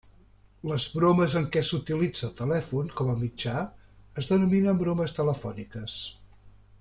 Les bromes en què s'utilitza el telèfon com a mitjà es denominen bromes telefòniques.